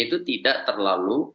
itu tidak terlalu